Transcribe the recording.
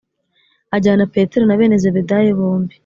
Ajyana Petero na bene Zebedayo bombi